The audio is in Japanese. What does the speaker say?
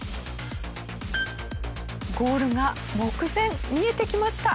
ゴールが目前見えてきました。